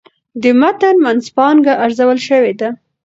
د متن منځپانګه ارزول شوې ده.